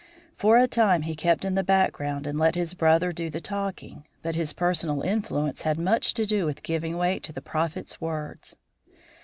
For a time he kept in the background and let his brother do the talking, but his personal influence had much to do with giving weight to the Prophet's words.